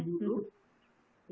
kalau gak ada orang yang dulu dulu